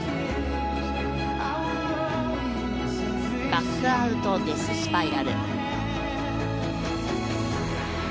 バックアウトデススパイラル。